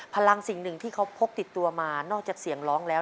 พลังสิ่งหนึ่งที่เขาพกติดตัวมานอกจากเสียงร้องแล้ว